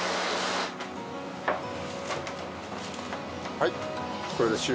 はい！